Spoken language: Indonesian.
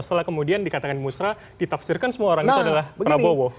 setelah kemudian dikatakan musrah ditafsirkan semua orang itu adalah prabowo